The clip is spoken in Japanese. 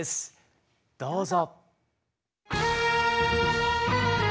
どうぞ。